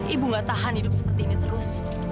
ibu gak tahan hidup seperti ini terus